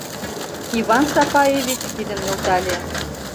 Иван Сапаевич кидым нӧлтале.